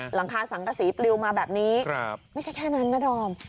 หลังคาสังกษีปลิวมาแบบนี้ไม่ใช่แค่นั้นนะดอม